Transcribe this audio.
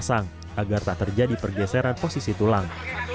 agar tidak terjadi pergeseran posisi tulang